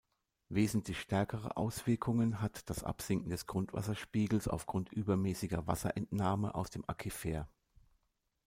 Wesentlich stärkere Auswirkungen hat das Absinken des Grundwasserspiegels aufgrund übermäßiger Wasserentnahme aus dem Aquifer.